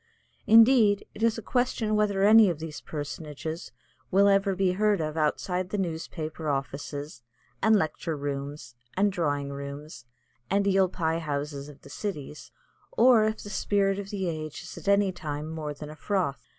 Indeed, it is a question whether any of these personages will ever be heard of outside the newspaper offices and lecture rooms and drawing rooms and eel pie houses of the cities, or if the Spirit of the Age is at any time more than a froth.